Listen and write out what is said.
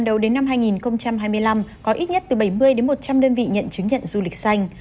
đầu đến năm hai nghìn hai mươi năm có ít nhất từ bảy mươi đến một trăm linh đơn vị nhận chứng nhận du lịch xanh